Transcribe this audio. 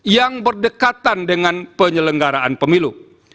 yang berdekatan dengan penyelenggaraan pemilu